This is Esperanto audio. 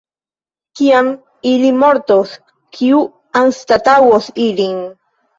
Kiam ili mortos, kiu anstataŭos ilin?